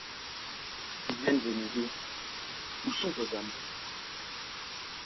D’où viennent vos mesures? Où sont vos âmes ?